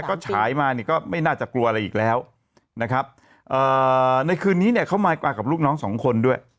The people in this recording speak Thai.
ก็ฉายมาเนี่ยก็ไม่น่าจะกลัวอะไรอีกแล้วนะครับในคืนนี้เนี่ยเขามากับลูกน้องสองคนด้วย